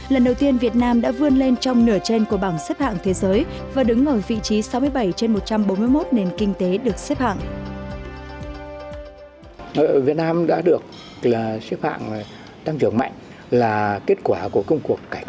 lần đầu tiên việt nam đã vươn lên trong nửa trên của bảng xếp hạng thế giới và đứng ở vị trí sáu mươi bảy trên một trăm bốn mươi một nền kinh tế được xếp hạng